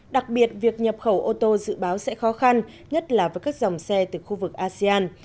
đặc biệt việc nhập khẩu ô tô dự báo sẽ khó khăn nhất là với các dòng xe từ khu vực asean